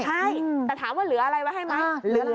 ใช่แต่ถามว่าเหลืออะไรไว้ให้ไหม